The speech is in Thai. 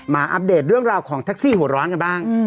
อัปเดตเรื่องราวของแท็กซี่หัวร้อนกันบ้าง